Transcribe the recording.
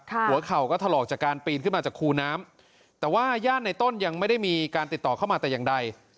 หัวเข่าก็ถลอกจากการปีนขึ้นมาจากคูน้ำแต่ว่าญาติในต้นยังไม่ได้มีการติดต่อเข้ามาแต่อย่างใด